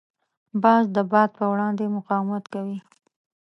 باز د باد په وړاندې مقاومت کوي